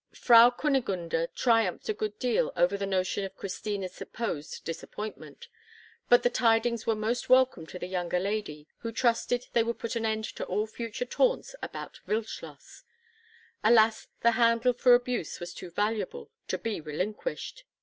Frau Kunigunde triumphed a good deal over the notion of Christina's supposed disappointment; but the tidings were most welcome to the younger lady, who trusted they would put an end to all future taunts about Wildschloss. Alas! the handle for abuse was too valuable to be relinquished.